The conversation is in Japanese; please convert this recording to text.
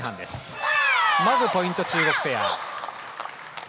まずポイントは中国ペア。